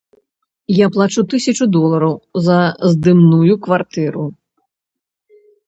Я плачу тысячу долараў за здымную кватэру.